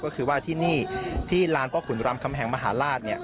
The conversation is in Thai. ก็คือว่าที่นี่ที่ลานพ่อขุนรำคำแหงมหาราช